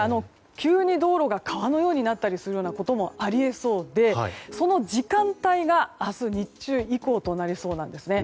急に道路が川のようになったりすることもあり得そうでその時間帯が明日日中以降となりそうなんです。